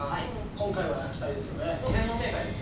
今回は期待ですよね。